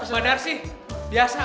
badan sih biasa